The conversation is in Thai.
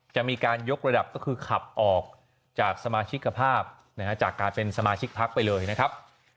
จะมีการยกระดับก็คือขับออกจากสมาชิกภาพจากการเป็นสมาชิกพักไปเลยนะครับ